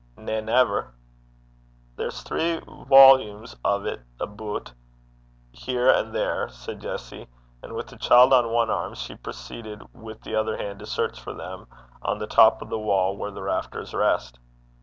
'Na, never.' 'There's three wolums o' 't about, here and there,' said Jessie; and with the child on one arm, she proceeded with the other hand to search for them in the crap o' the wa', that is, on the top of the wall where the rafters rest.